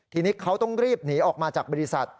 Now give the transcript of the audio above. ทีนี้เขาต้องรีบหนีออกมาจากบริษัท